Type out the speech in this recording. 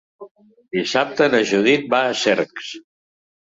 Dissabte na Judit va a Cercs.